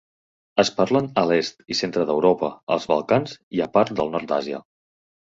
Es parlen a l'est i centre d'Europa, als Balcans i a parts del nord d'Àsia.